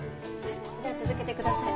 じゃあ続けてください。